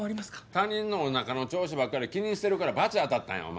他人のお腹の調子ばっかり気にしてるからバチ当たったんやお前。